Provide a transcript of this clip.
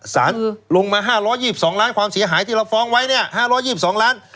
สารลงมา๕๒๒ล้านความเสียหายที่เราฟ้องไว้เนี่ย๕๒๒ล้าน